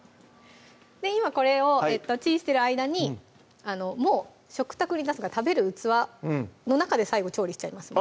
今これをチンしてる間にもう食卓に出す食べる器の中で最後調理しちゃいます